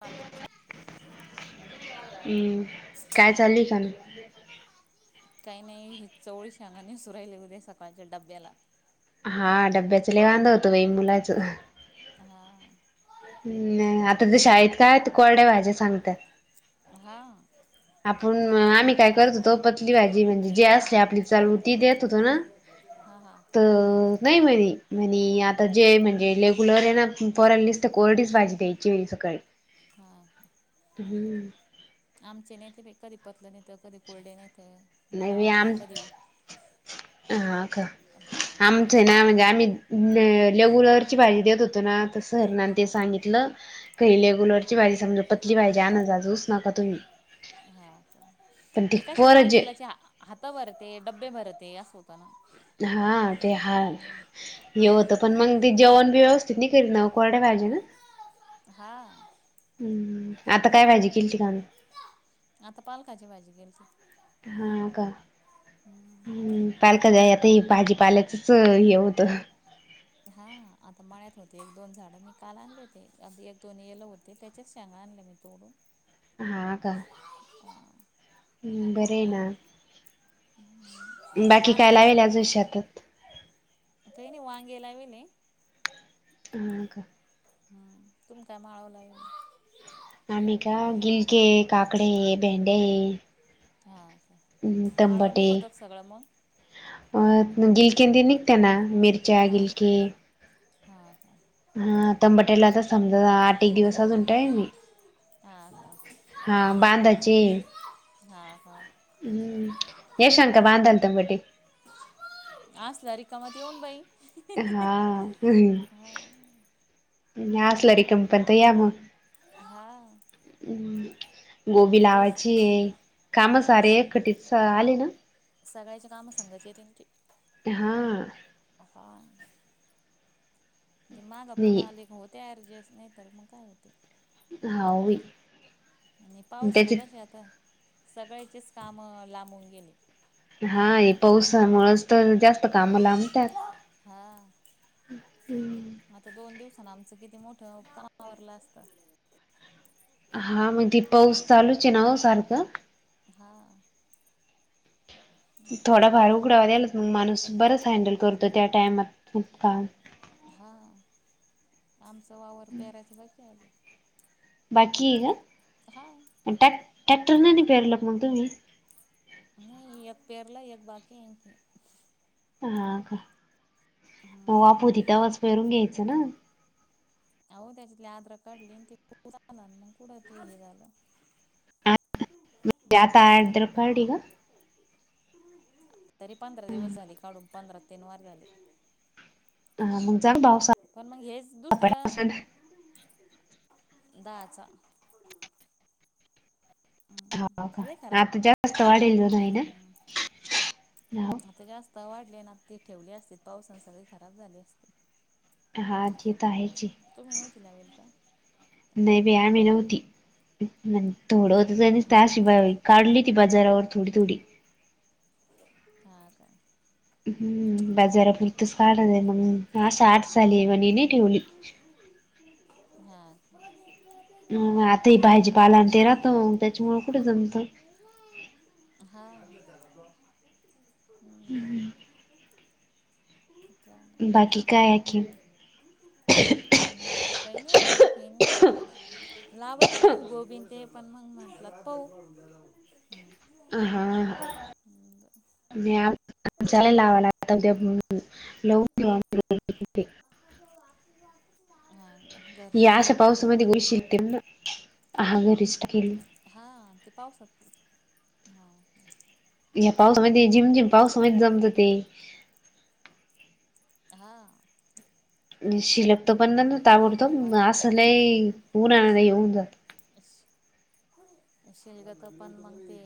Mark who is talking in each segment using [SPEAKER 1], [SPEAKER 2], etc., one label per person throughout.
[SPEAKER 1] पालकाचे
[SPEAKER 2] हम्म काय चालल का ना
[SPEAKER 1] काही नाही ह चवळीच्या शेंगा नेसु राहिले उद्या द सकाळच्या डब्याला
[SPEAKER 2] हा डब्याच लय वांध होतो बाई मुलाचं
[SPEAKER 1] हा
[SPEAKER 2] नाही आता ते शाळेत काय कोरड्या भाज्या सांगतात
[SPEAKER 1] हा
[SPEAKER 2] आपण आम्ही काय करत होतो पतली भाजी म्हणजे जे असली आपली चालू ती देत होतो ना
[SPEAKER 1] हा हा
[SPEAKER 2] तर नाही म्हनी म्हनी
[SPEAKER 1] हा
[SPEAKER 2] आता जे म्हणजेले गुलरना पोरलीस तर कोरडीच भाजी द्यायची वेली सकाळी
[SPEAKER 1] हा हा
[SPEAKER 2] हम्म
[SPEAKER 1] आमचे नेते कधी पतलं नेत कधी कोरडे नेत
[SPEAKER 2] नाही
[SPEAKER 1] मला
[SPEAKER 2] बाई
[SPEAKER 1] वाटलं
[SPEAKER 2] आम
[SPEAKER 1] तरी
[SPEAKER 2] हा का आमच
[SPEAKER 1] नाही तर
[SPEAKER 2] ना
[SPEAKER 1] क
[SPEAKER 2] म्हणजे आम्ही लेगुलरची भाजी देत होतो जनाथ सरना
[SPEAKER 1] हां
[SPEAKER 2] ते
[SPEAKER 1] हां
[SPEAKER 2] सांगितलं कहीले
[SPEAKER 1] हां
[SPEAKER 2] गुलवरची भाजी समजा पतली भाजी आनजाजूच नका तुम्ही
[SPEAKER 1] हां
[SPEAKER 2] पण दिपरज
[SPEAKER 1] हात भरते डब्बे भरते अस होत
[SPEAKER 2] हा ते हा हे होत पण मग ते जेवण व्यवस्थ केर न कोरे भा्याजन
[SPEAKER 1] हा
[SPEAKER 2] हम्म आता काय पाहिजे किल ठिकाण
[SPEAKER 1] आता पालकाची भाजी गेली
[SPEAKER 2] हा का
[SPEAKER 1] हम्म
[SPEAKER 2] पालक जा आता भाजीपाल्याचच हे होतं
[SPEAKER 1] हा आता मळ्यात होते एक दोन झाड मी कालान देते एक दोन येल होते त्याचेच सांग
[SPEAKER 2] [inaudible] हा काम् बरे ना
[SPEAKER 1] आता
[SPEAKER 2] बाकी काय
[SPEAKER 1] लहाण्याला
[SPEAKER 2] लावेलाजशतात
[SPEAKER 1] गेला म
[SPEAKER 2] स का
[SPEAKER 1] हम्म तुम काय माळवं लागेल
[SPEAKER 2] आम् का गिलके काकडे आहे भेंडे्या आहे
[SPEAKER 1] हा माळवून होत का सगळं मग
[SPEAKER 2] अ गिलकंंद निघते ना मिरच्या
[SPEAKER 1] हा
[SPEAKER 2] गिलकी
[SPEAKER 1] हा का
[SPEAKER 2] हा तंबटेला आ तर समजा आठ एक दिवसात उटेल मी
[SPEAKER 1] हा का
[SPEAKER 2] हा बांधाची.
[SPEAKER 1] हा का
[SPEAKER 2] हुम्म शातां बांधल
[SPEAKER 1] बरं
[SPEAKER 2] तबटटी
[SPEAKER 1] असला रिकाम
[SPEAKER 2] हा न ई
[SPEAKER 1] हा
[SPEAKER 2] असल्या तर पण या मग.
[SPEAKER 1] हा
[SPEAKER 2] हुं गोबी
[SPEAKER 1] तेच
[SPEAKER 2] लावायची काम सारे कटीत आले ना
[SPEAKER 1] सगळ्याची कामं सांगायची त्याणी ते
[SPEAKER 2] हा
[SPEAKER 1] हा ते माग पुढे
[SPEAKER 2] नाही
[SPEAKER 1] आले होते ऍरजस्ट नाही तर मग काय होते.
[SPEAKER 2] हा वी
[SPEAKER 1] आणि पाऊस ना कसे आता सगळ्याचेच काम अ लांबून गेले
[SPEAKER 2] हा या पाऊसामुळेच पन जास्त काम लाबतात
[SPEAKER 1] हा पण आमचं किती मोठं कामा आवरलं असत
[SPEAKER 2] हा मग ते पाऊस चालु च आहे ना ओ सारखं.
[SPEAKER 1] हा
[SPEAKER 2] थोडाफार उघडावा द्यालाच मग माणूस बरच हँडल करतो त्या टाइमात काम
[SPEAKER 1] हा आमचा वावर पेरायच बरं का
[SPEAKER 2] बाकी ना आणी टॅ टॅक्टर ने त्यात पेरलं मग तुम्ही
[SPEAKER 1] नाही एक पेरल एक बाकी आहे की
[SPEAKER 2] हा का मग तवा
[SPEAKER 1] हम्म
[SPEAKER 2] पुरी तवा च पेरून घ्यायचं ना.
[SPEAKER 1] अहो त्याच्यात आद्र काढली आणि त आ मग पुढ ते झालं.
[SPEAKER 2] त्यात आड्क कारर्डिग
[SPEAKER 1] हम्म तरी पंधरा दिवस झाले काढून पंधरा तीन वार झाली.
[SPEAKER 2] अ मग जाग पावसा
[SPEAKER 1] दुसरं
[SPEAKER 2] [unintelligible]
[SPEAKER 1] दाचा
[SPEAKER 2] हा
[SPEAKER 1] खराब
[SPEAKER 2] का तु
[SPEAKER 1] झाली
[SPEAKER 2] जास्त
[SPEAKER 1] आमची
[SPEAKER 2] वाढेल नाही ना
[SPEAKER 1] हम्म
[SPEAKER 2] नाव.
[SPEAKER 1] जास्त आता वाढले ना ते ठेवले असते पावसन सगळे खराब झाले असते
[SPEAKER 2] हा जीत आहेची.
[SPEAKER 1] तुम्ही नव्हती लावेल का हा
[SPEAKER 2] म ंथोडं
[SPEAKER 1] हा
[SPEAKER 2] होतासशी काढली ती बाजारावर थोडी थोडी.
[SPEAKER 1] हा का.
[SPEAKER 2] हुम्म बाजारापुरतच साठ झाली म्हणे साठ झाली म्हणे नी ठेवली. [unintelligible]
[SPEAKER 1] हा
[SPEAKER 2] ह आता हे भाजी पाला आणि ते राहतो म त्याच्यामुळ कुठे जमत.
[SPEAKER 1] हा हम्म.
[SPEAKER 2] [unintelligible] बाकी काय आय की.
[SPEAKER 1] बाकी काही नाही आता आणखीन लावायचे गोबींदे ते पण मग म्हटात प ऊ
[SPEAKER 2] अ हा मी जे लावायला शातबद्याब म्हणून लवून ठे हो
[SPEAKER 1] हा
[SPEAKER 2] [unintelligible] या
[SPEAKER 1] घरचेच
[SPEAKER 2] अशा
[SPEAKER 1] रोप टाकेल का
[SPEAKER 2] पावसामध्ये
[SPEAKER 1] तुम्ही
[SPEAKER 2] बुरशी येतील ना. हा घरीच टाकेल.
[SPEAKER 1] हा ते पाऊसात हा.
[SPEAKER 2] या पावसामध्ये झिमझिम पावसामध्ये जमत ते
[SPEAKER 1] हा.
[SPEAKER 2] शिलकतो पण ना
[SPEAKER 1] बाई लय
[SPEAKER 2] ताबडतो
[SPEAKER 1] हात पायला
[SPEAKER 2] आस नाही उन्हान येऊन जात.
[SPEAKER 1] शीललक पण मग ते.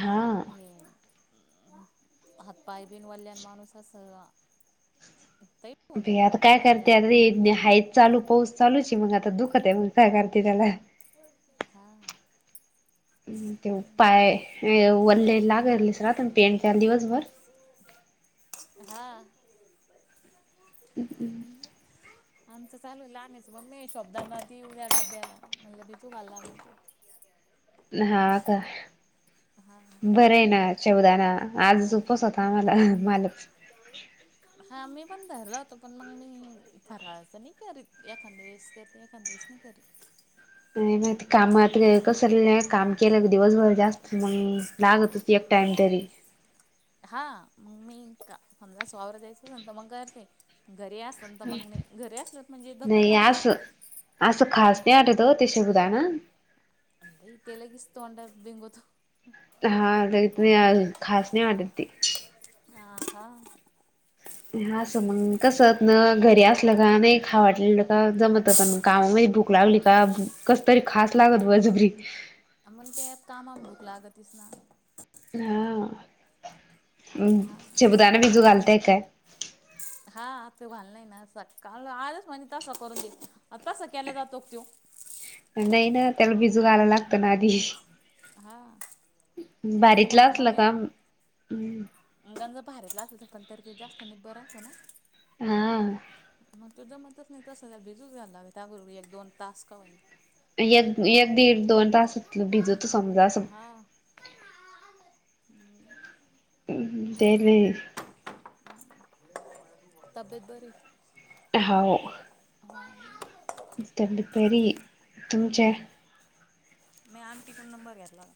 [SPEAKER 2] हा
[SPEAKER 1] हात पाय बीन वाल्यान माणूस अस ताईप माणूस पास.
[SPEAKER 2] त्यांनी हाय चालू पाऊस चालूच मग आता दुखत पण काय आहे मग काय करते त्याला.
[SPEAKER 1] हा.
[SPEAKER 2] [inaudible] ते पाय वले लाग पेत्या दिवसभर.
[SPEAKER 1] हा.
[SPEAKER 2] हम्.
[SPEAKER 1] आमच चालू आहे आमहीच मग म शब्दांलाी उद्या सध्या. मग लगेच उगायला लागल.
[SPEAKER 2] हा का
[SPEAKER 1] हा
[SPEAKER 2] बरं आहे ना चवदा ना आज झ उपस होता आम्हाला. मालच.
[SPEAKER 1] हा मी पण धरला होता, पण मग मी फराळाचं नाही करीत एखाद वेळेस करते एखाद वेळेस नाही करीत.
[SPEAKER 2] नाही माहिती कामात कसं नाही काम केलं की दिवसभर जास्त मग, लागतच एक टाइम तरी.
[SPEAKER 1] हा मग मी का समजा वावर जायचं समजा मग मी करते. घरी असत तर मग नाही घरी असल म्हणजे थकून जात.
[SPEAKER 2] त्या आट होत साबुदाणा.
[SPEAKER 1] अ ते लगेच तोंडात बिंगोत.
[SPEAKER 2] हा तेना खास नाही वाट ते.
[SPEAKER 1] आ हा.
[SPEAKER 2] हा अस मग कसत ना घरी असलं का नाही खा वाटलेलं का जमतं पण कामामध्ये भूक लागली का. कस तरी खास लागत बळजबरी.
[SPEAKER 1] मग ते कामा मध्ये भूक लागतच ना.
[SPEAKER 2] हा
[SPEAKER 1] हा.
[SPEAKER 2] साबुदाणा बिजू घालताय की काय.
[SPEAKER 1] हा तो घाल नाही ना सकाळ आजच म्हण तसं करून दे तसं केला जातो त.
[SPEAKER 2] नाही ना त्याला भिजू घायला लागतं ना आधी.
[SPEAKER 1] हा हा त म्हं
[SPEAKER 2] बारीतला
[SPEAKER 1] म
[SPEAKER 2] असलं
[SPEAKER 1] मी
[SPEAKER 2] का
[SPEAKER 1] गंज. भारी लागतो तर ते जास्त आणि बरंच हो ना.
[SPEAKER 2] हा.
[SPEAKER 1] तू जमतच नाही तसं भिजू घयला ह त्याबरोबर एक दोन तास का होईना.
[SPEAKER 2] एक एक दीड दोन तासात भिजत समजा असं.
[SPEAKER 1] हा
[SPEAKER 2] तेणे.
[SPEAKER 1] तब्येत बरी?
[SPEAKER 2] हो.
[SPEAKER 1] [unintelligible]
[SPEAKER 2] तब्येत बरी आहे, तुमच्या
[SPEAKER 1] मी आंटी कडून नंबर घेतला.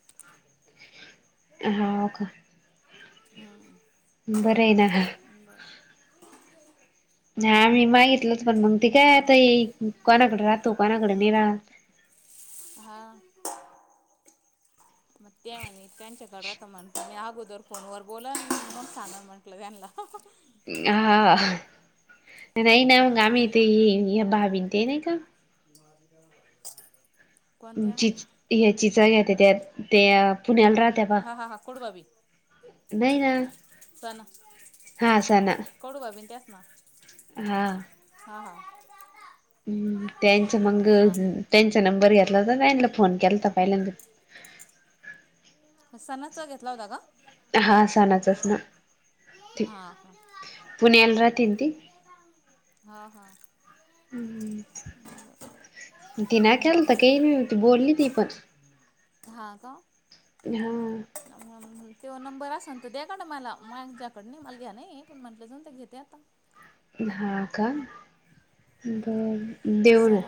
[SPEAKER 2] हाव का?
[SPEAKER 1] हम्म
[SPEAKER 2] बरं आहे ना गं.
[SPEAKER 1] बरं.
[SPEAKER 2] नाय मी मागितलं मग पण
[SPEAKER 1] हावं का?
[SPEAKER 2] कोणाकडे
[SPEAKER 1] हा,
[SPEAKER 2] नाही राहत
[SPEAKER 1] हा मग ते म्हणे त्यांच्याकडं राहता म्हण मी गोदर फोनवर बोला आणि मग सांगा म्हटलं त्यांना
[SPEAKER 2] हा नाही ना मग आम्ही इथे हे भा ते नाही का?
[SPEAKER 1] [unintelligible] कोणत्या
[SPEAKER 2] चिच ह्याची चावी होते त्यात ते अ
[SPEAKER 1] हा हा हा कोड भाभी.
[SPEAKER 2] नाही ना.
[SPEAKER 1] तना
[SPEAKER 2] हा सना, हा.
[SPEAKER 1] हा हा
[SPEAKER 2] हम् त्यांचं मंग
[SPEAKER 1] हा
[SPEAKER 2] त्यांचं नं बर घेतलास ताईंला फोन केलता पहिल्यांदा
[SPEAKER 1] ह सनाचा घेतला होता का?
[SPEAKER 2] हा सणाचच ना ती,
[SPEAKER 1] हा का
[SPEAKER 2] पुण्याला राहती ना ती?
[SPEAKER 1] हा हा.
[SPEAKER 2] हम्म ती ना केलता कि, ती बोलली ती पण.
[SPEAKER 1] हा का?
[SPEAKER 2] हा.
[SPEAKER 1] त्यो नंबर असन तर द्या गडं मला, माझ्याकडं नाही मला घ्या नाही पण म्हटलं जाऊन ते घेते आता.
[SPEAKER 2] हा का? बरं देऊना.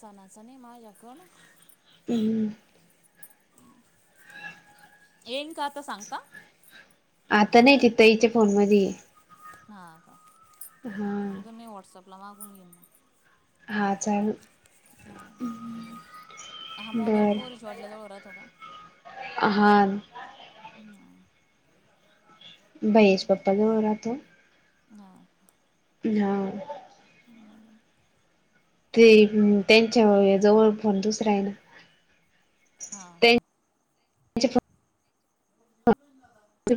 [SPEAKER 1] सनाचा नाही माझ्याकड?
[SPEAKER 2] हम्म,
[SPEAKER 1] येईन का आता सांगता?
[SPEAKER 2] आता नाही तितं ईच्या फोन मध्ये ये.
[SPEAKER 1] हा का?
[SPEAKER 2] हा.
[SPEAKER 1] तुला मागून घेईन मग.
[SPEAKER 2] हा चालेल.
[SPEAKER 1] हां हा मोबाईल
[SPEAKER 2] बर
[SPEAKER 1] पोरीच्या वडलाजवळ राहतो का?
[SPEAKER 2] हा.
[SPEAKER 1] हां
[SPEAKER 2] भैय्याच्या पप्पा जवळ राहातो.
[SPEAKER 1] हा
[SPEAKER 2] हा. ते त्यांच्या जवळ फोन दुसरा आहे ना.
[SPEAKER 1] हा.
[SPEAKER 2] त्यांच्या [unintelligible]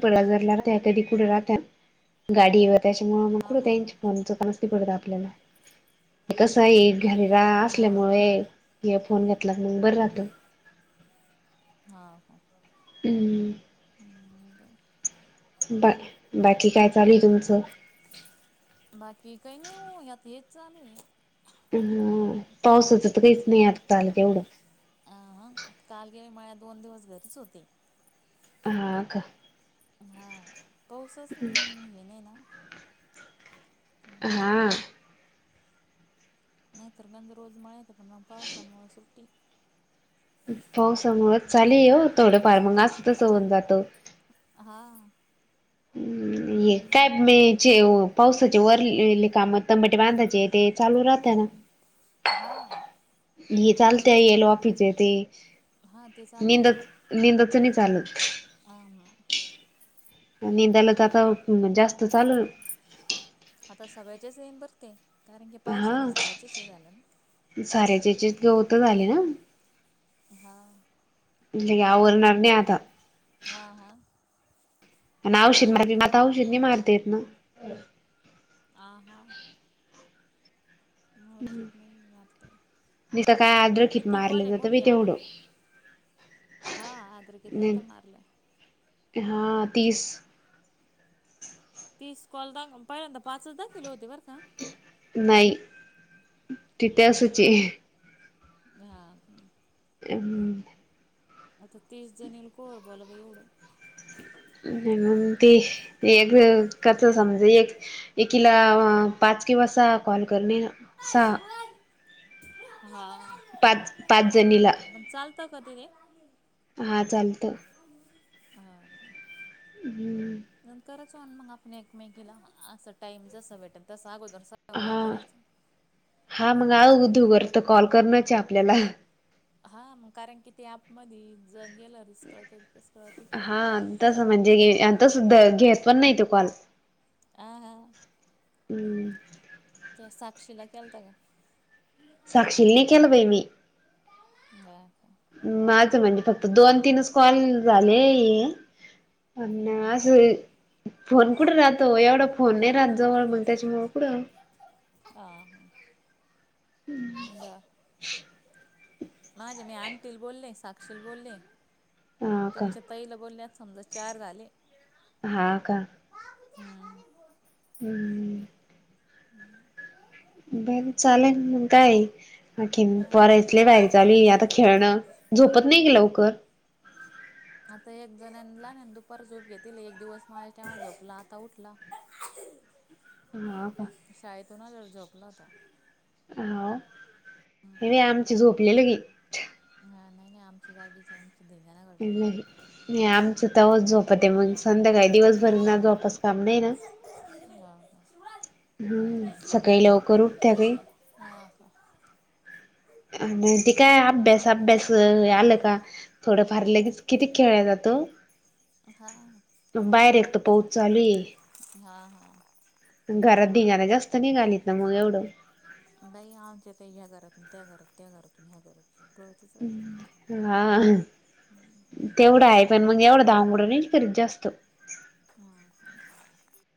[SPEAKER 2] पनाजरला राहत्या कधी कुड राहत्यात गाडीवर त्याच्यामुळ मग
[SPEAKER 1] हां हां
[SPEAKER 2] कुड त्यांच्या
[SPEAKER 1] हां
[SPEAKER 2] फोनच का नसती पडतं आपल्याला. हे कसं आहे घरी रा
[SPEAKER 1] हां हां
[SPEAKER 2] असल्यामुळे ए इयरफोन घेतला मंग बर राहत.
[SPEAKER 1] हा ह
[SPEAKER 2] अंम बा बाकी काय चालूये तुमचं?
[SPEAKER 1] बाकी कय नाय हो आत हेच चालुये
[SPEAKER 2] हा पावसाच तर काहीच नाई आत्ता आलं तेवढंच
[SPEAKER 1] अ हं काल गेले मळ्यात, दोन दिवस घरीच होते.
[SPEAKER 2] हा का
[SPEAKER 1] हा पाऊसंच हे नहीना
[SPEAKER 2] हा
[SPEAKER 1] नाहीतर गंज रोज मळ्यात पण पावसामुळ सुट्टी.
[SPEAKER 2] पावसामुळ चाली हो थोडंफार मंग असं तसं होऊन जातं.
[SPEAKER 1] हा
[SPEAKER 2] येतात मे चे हो पावसाचे वरले ले काम तंबाटे बांधायचेत ते चालू राहत ना?
[SPEAKER 1] हा
[SPEAKER 2] हे चालतय येईल वाफेचे ते
[SPEAKER 1] हां ते
[SPEAKER 2] निंदत निंदाच नाय चालत.
[SPEAKER 1] आमं
[SPEAKER 2] निदायलाच आता जास्त चालू.
[SPEAKER 1] आता सगळ्याचेच येन बर ते कारण की पाऊसानं सगळ्याचेच हे झालं ना
[SPEAKER 2] सऱ्याजचीचं गवत झाली ना
[SPEAKER 1] हा.
[SPEAKER 2] म्हणलं हे आवरणारने आता.
[SPEAKER 1] आह हा.
[SPEAKER 2] आणि औषध मार म आता औषध नय मारता येत ना.
[SPEAKER 1] आ हा. औषध नई मारता येत.
[SPEAKER 2] मी त काय आद्रखित मारलं जात बाय
[SPEAKER 1] आता
[SPEAKER 2] तेवढं.
[SPEAKER 1] हा आद्रकीत जाता मारल्या.
[SPEAKER 2] हा तीस.
[SPEAKER 1] तीस कॉल दाखव पाहिल्यांद पाचच दाखवेल होते बर का.
[SPEAKER 2] नाही तिथे असंचे.
[SPEAKER 1] हा का.
[SPEAKER 2] [unintelligible]
[SPEAKER 1] आता तीस जणेल कोण बोला बाई एवढं.
[SPEAKER 2] ते एक कच समज एक एकीला पाच पाच किंवा सहा कॉल करणे ना सहा.
[SPEAKER 1] हा
[SPEAKER 2] पाच पाच जणीला.
[SPEAKER 1] कधी रे?
[SPEAKER 2] हा चालत.
[SPEAKER 1] ह हं
[SPEAKER 2] हम्म
[SPEAKER 1] नंतरचं होन मग आपण एकमेकीला अस टाइम जस भेटेल तस अगोदर सगळा कॉल
[SPEAKER 2] हा
[SPEAKER 1] करायचा.
[SPEAKER 2] हा
[SPEAKER 1] आणि
[SPEAKER 2] मग
[SPEAKER 1] नंतर हे
[SPEAKER 2] आगूदगर तर कॉल करणचये आपल्याला
[SPEAKER 1] हा म कारण की ते ऍप मध्ये जण
[SPEAKER 2] हा तस म्हणजे तस घेत पण नाय तो कॉल.
[SPEAKER 1] आह हा.
[SPEAKER 2] हम्
[SPEAKER 1] त्या साक्षिला केलंता का?
[SPEAKER 2] साक्षीला नाय केला बई मी.
[SPEAKER 1] [unintelligible]
[SPEAKER 2] माझं म्हणजे फक्त दोन तीनच कॉल झालेय. अन अस फोन कुठं राहतो एवढा. फोन नाही रात जवळ मग त्याच्यामुळ कुडं
[SPEAKER 1] आ ह. माझे मी आंटिला बोले साक्षील बोले.
[SPEAKER 2] हा का
[SPEAKER 1] तुमच्या ताईला बोलण्यात समजा चार झाले.
[SPEAKER 2] हा का
[SPEAKER 1] हम्म! [unintelligible]
[SPEAKER 2] हम्म हम्म.
[SPEAKER 1] हम्म! [inaudible]
[SPEAKER 2] बरं चालेल मगं काये? अखीन पोरायच लेई
[SPEAKER 1] तर
[SPEAKER 2] भारी चालूय आता खेळणं, झोपत नाही हे लवकर.
[SPEAKER 1] आता एक जणला दुपार झोप घेतली एक दिवस माझ्या टाम झपला आता उठला.
[SPEAKER 2] हा का?
[SPEAKER 1] थोडा वेळ झोपला होता.
[SPEAKER 2] हाव हेनी आमच झोपलेलं लगी.
[SPEAKER 1] नाही आमची जागीचे.
[SPEAKER 2] नाही नाही आमचं तवच झोपता, मग संध्याकाळी
[SPEAKER 1] हां
[SPEAKER 2] दिवसभर ना
[SPEAKER 1] का
[SPEAKER 2] जोपच काम नाही ना.
[SPEAKER 1] हां हां
[SPEAKER 2] हम्म! सकाळी
[SPEAKER 1] बरं
[SPEAKER 2] लवकर उठत्या बी.
[SPEAKER 1] हा का
[SPEAKER 2] ते काय अभ्यास अभ्यास आलं का, थोडं फार लगेच, किती खेळय जात. तो.
[SPEAKER 1] हा.
[SPEAKER 2] पाऊस चालूये.
[SPEAKER 1] हा हा
[SPEAKER 2] घरात धीगांना जास्त नाही निघालीत ना म एवढं.
[SPEAKER 1] बाई आमच्या का ह्या घरातून त्या घरात त्या घरातून ह्या घरात. पळतच
[SPEAKER 2] हा, तेवढा हाये. पण मग एवढं धामुडनई करीत जास्त.
[SPEAKER 1] हम्म.